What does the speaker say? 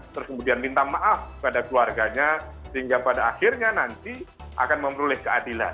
terus kemudian minta maaf pada keluarganya sehingga pada akhirnya nanti akan memperoleh keadilan